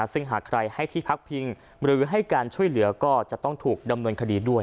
ซึ่งหากใครให้ที่พักพิงหรือให้การช่วยเหลือก็จะต้องถูกดำเนินคดีด้วย